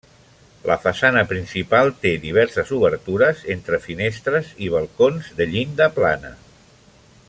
La façana principal té diverses obertures, entre finestres i balcons, de llinda plana.